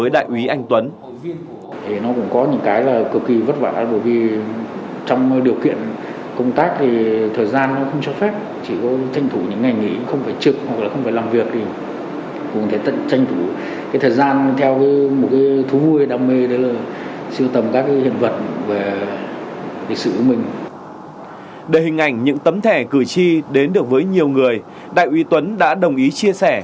để hình ảnh những tấm thẻ cử tri đến được với đại uy tuấn đã đồng ý chia sẻ